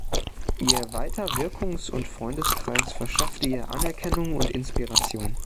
Ihr weiter Wirkungs- und Freundeskreis verschaffte ihr Anerkennung und Inspiration.